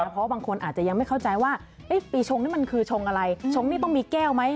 เพราะบางคนอาจจะยังไม่เข้าใจว่าปีชงนี่มันคือชงอะไรชงนี่ต้องมีแก้วไหม